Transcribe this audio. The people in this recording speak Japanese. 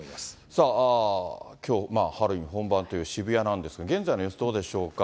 さあ、きょうハロウィーン本番という渋谷なんですが、現在の様子どうでしょうか。